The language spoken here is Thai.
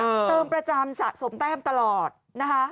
เติมประจำสะสมแต้มตลอดนะคะ